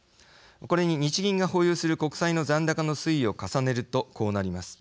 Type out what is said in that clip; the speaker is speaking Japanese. これに日銀が保有する国債の残高の推移を重ねるとこうなります。